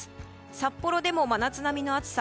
札幌でも真夏並みの暑さ。